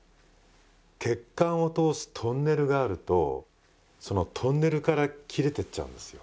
血管を通すトンネルがあるとそのトンネルから切れてっちゃうんですよ。